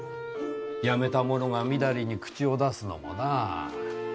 やめた者がみだりに口を出すのもなあ。